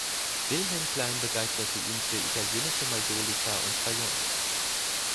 Vilhelm Klein begeisterte ihn für italienische Majolika und Fayence.